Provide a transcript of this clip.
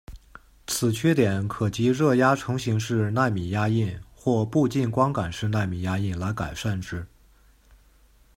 此缺点可藉热压成形式奈米压印或步进光感式奈米压印来改善之。